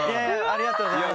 ありがとうございます。